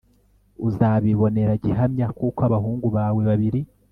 uzabibonera gihamya kuko abahungu bawe babiri